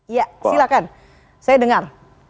iya silakan saya dengar